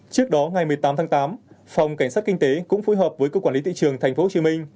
trước đó ngày một mươi tám tháng tám phòng cảnh sát kinh tế cũng phối hợp với cục quản lý thị trường tp hcm